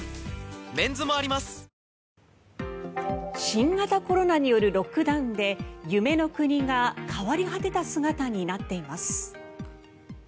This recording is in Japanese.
新型コロナによるロックダウンで夢の国が変わり果てた姿になっています。